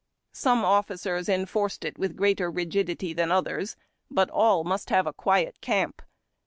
Some officers enforced it with greater rigidity than others, but all must have a quiet camp.